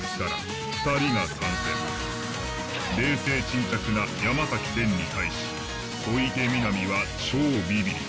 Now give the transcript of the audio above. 冷静沈着な山天に対し小池美波は超ビビり。